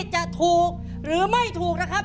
จะถูกหรือไม่ถูกนะครับ